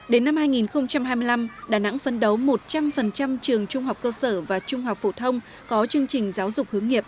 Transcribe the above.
đến năm hai nghìn hai mươi năm đà nẵng phân đấu một trăm linh trường trung học cơ sở và trung học phổ thông có chương trình giáo dục hướng nghiệp